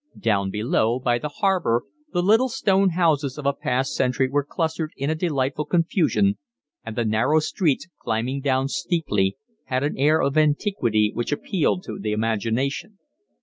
Down below, by the harbour, the little stone houses of a past century were clustered in a delightful confusion, and the narrow streets, climbing down steeply, had an air of antiquity which appealed to the imagination.